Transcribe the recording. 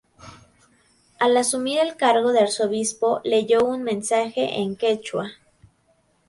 Al asumir el cargo de Arzobispo leyó un mensaje en quechua.